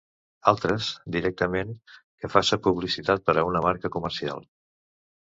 Altres, directament, que faça publicitat per a una marca comercial.